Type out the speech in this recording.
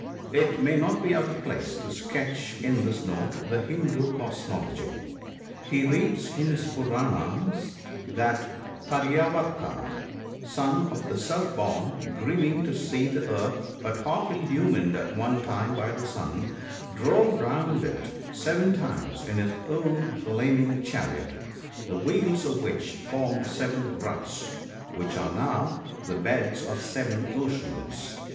It may not be out of place to sketch in this note the Hindoo's cosmogony. He reads in his Poorans that Priyavrata, son of the Self born, grieving to see the earth but half illumined at one time by the sun, drove round it seven times in his own flaming chariot, the wheels of which formed seven ruts, which are now the beds of the seven oceans.